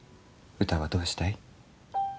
うたはどうしたい？